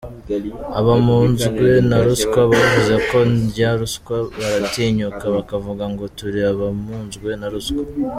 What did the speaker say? Abamunzwe na ruswa bavuze ngo ndya ruswa, baratinyuka bakavuga ngo turi abamunzwe na ruswa.